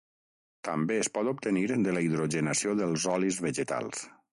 També es pot obtenir de la hidrogenació dels olis vegetals.